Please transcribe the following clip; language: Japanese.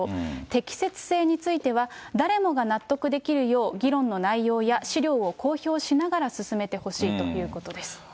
適切性については、誰もが納得できるよう、議論の内容や資料を公表しながら進めてほしいということです。